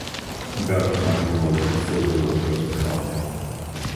Umberto Maglioli and Phil Hill drove the car no.